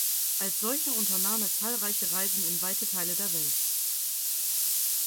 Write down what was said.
Als solcher unternahm er zahlreiche Reisen in weite Teile der Welt.